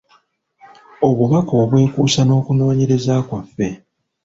Obubaka obwekuusa n’okunoonyereza kwaffe.